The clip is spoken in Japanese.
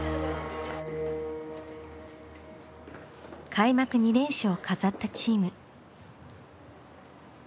開幕２連勝を飾ったチーム。